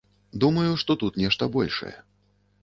Думаю, што тут нешта большае.